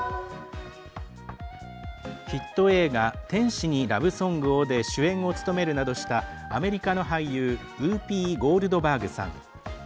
ヒット映画「天使にラブ・ソングを」で主演を務めるなどしたアメリカの俳優ウーピー・ゴールドバーグさん。